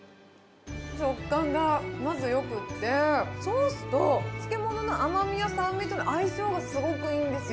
食感がまずよくって、ソースと漬物の甘みや酸味、相性もすごくいいんですよ。